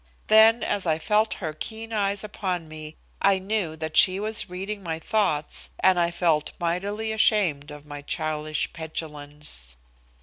Then as I felt her keen eyes upon me I knew that she was reading my thoughts, and I felt mightily ashamed of my childish petulance.